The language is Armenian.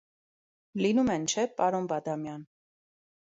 Լինում են, չէ՞, պարոն Բադամյան: